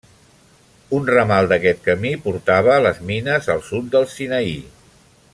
Un ramal d'aquest camí portava a les mines al sud del Sinaí.